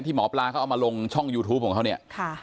หมอปลาเขาเอามาลงช่องยูทูปของเขาเนี่ย